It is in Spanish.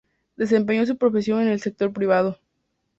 Desempeñó su profesión en el sector privado.